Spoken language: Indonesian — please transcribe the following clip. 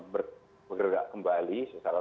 bergerak kembali secara